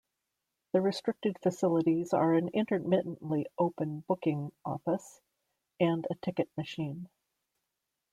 The restricted facilities are an intermittently open booking office and a ticket machine.